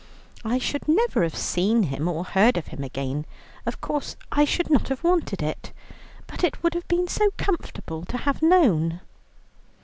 "I should never have seen him or heard from him again; of course I should not have wanted it, but it would have been so comfortable to have known."